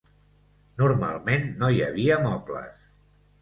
Normalment no hi havia mobles.